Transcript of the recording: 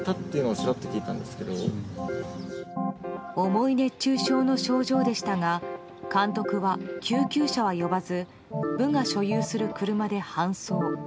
重い熱中症の症状でしたが監督は救急車は呼ばず部が所有する車で搬送。